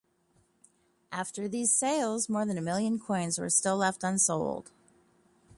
After these sales, more than a million coins were still left unsold.